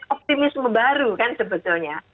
optimisme baru kan sebetulnya